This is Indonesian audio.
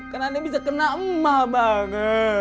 kan ane bisa kena emah bang